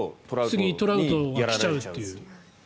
次、トラウトが来ちゃうっていう。